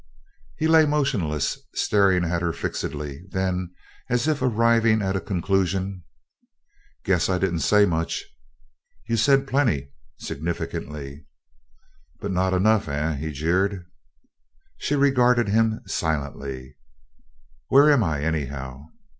He lay motionless, staring at her fixedly; then, as if arriving at a conclusion: "Guess I didn't say much." "You said plenty," significantly. "But not enough, eh?" he jeered. She regarded him silently. "Where am I, anyhow?"